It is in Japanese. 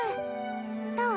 どう？